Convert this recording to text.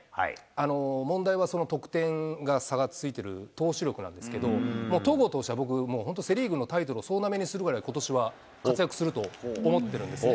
問題はその得点が、差がついてる投手力なんですけど、戸郷投手は、僕、本当、セ・リーグのタイトルを総なめにするぐらいことしは活躍すると思ってるんですよ。